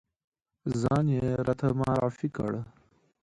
ځان یې راته معرفی کړ.